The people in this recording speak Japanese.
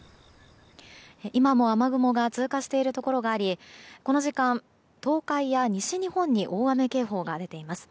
今も雨雲が通過しているところがありこの時間、東海や西日本に大雨警報が出ています。